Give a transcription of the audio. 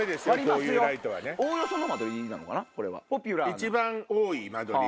一番多い間取り？